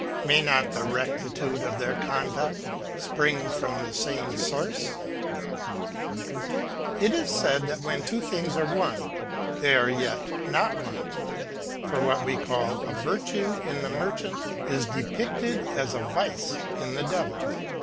May not the rectitude of their conduct spring from the same source ? It is said that when two things are one, they are yet not one; for what we call a virtue in the merchant is depicted as a vice in the Devil.